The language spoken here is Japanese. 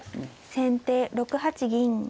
先手６八銀。